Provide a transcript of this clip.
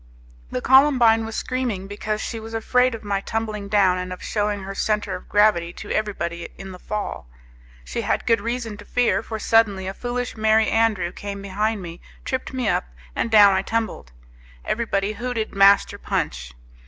The Columbine was screaming because she was afraid of my tumbling down and of shewing her centre of gravity to everybody in the fall. She had good reason to fear, for suddenly a foolish Merry Andrew came behind me, tripped me up, and down I tumbled. Everybody hooted Master Punch.